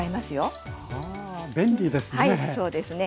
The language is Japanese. はあ便利ですね。